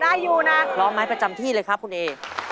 ได้อยู่นะพร้อมไหมประจำที่เลยครับคุณเอ